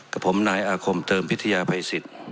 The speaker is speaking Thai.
กับผมนายอาคมเติมพิทยาภัยสิทธิ์